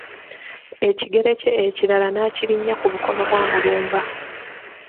Ekigere kye ekirala naakirinnya ku bukono bwa Mulumba.